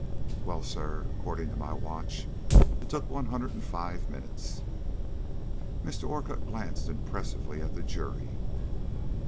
"Well, sir, according to my watch, it took one hundred and five minutes." Mr. Orcutt glanced impressively at the jury.